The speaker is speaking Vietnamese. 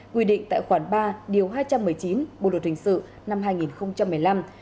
quy định tại khoản ba điều hai trăm một mươi chín bộ luật hình sự năm hai nghìn một mươi năm